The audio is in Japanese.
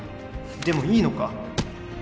でもいいのか？